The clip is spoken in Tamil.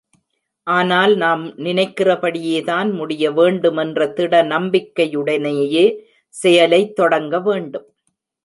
ஆனால் நாம் நினைக்கிறபடியேதான் முடியவேண்டுமென்ற திட நம்பிக்கையுடனேயே செயலைத் தொடங்க வேண்டும்.